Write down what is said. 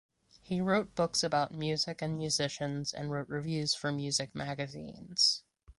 He wrote books about music and musicians and wrote reviews for music magazines.